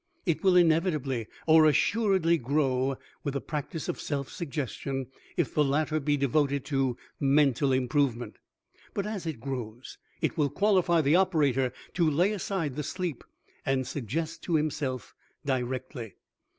It will inevitably or assuredly grow with the practice of self suggestion if the latter be devoted to mental improvement, but as it grows it will qualify the operator to lay aside the sleep and suggest to himself directly.